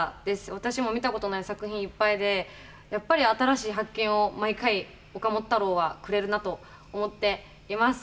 私も見たことない作品いっぱいで、やっぱり新しい発見を毎回、岡本太郎はくれるなと思っています。